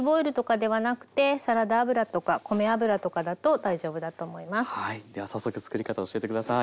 では早速つくり方を教えて下さい。